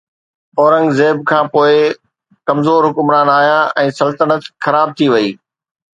اورنگزيب کان پوءِ، ڪمزور حڪمران آيا، ۽ سلطنت خراب ٿي وئي.